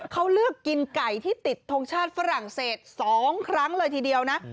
เขาเลือกกินไก่ที่ติดทงชาติฝรั่งเศส๒ครั้งเลยทีเดียวนะ